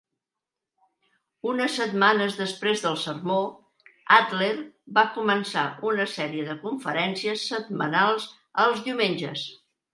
Unes setmanes després del sermó, Adler va començar una sèrie de conferències setmanals els diumenges.